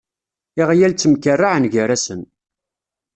Iɣyal ttemkerraɛen gar-sen.